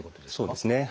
そうですね。